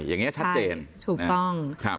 อย่างนี้ชัดเจนถูกต้อง